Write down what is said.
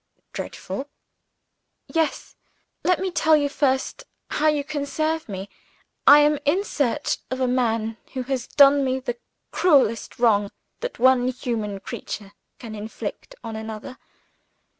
"Dreadful?" "Yes! Let me tell you first how you can serve me. I am in search of a man who has done me the cruelest wrong that one human creature can inflict on another.